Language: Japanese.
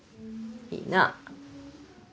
いいな。